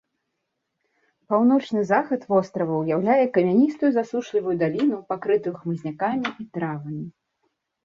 Паўночны захад вострава ўяўляе камяністую засушлівую даліну, пакрытую хмызнякамі і травамі.